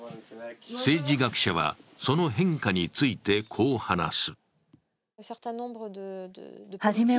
政治学者は、その変化についてこう話す。